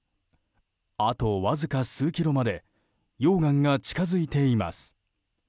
あとわずか数キロまで溶岩が近づいています。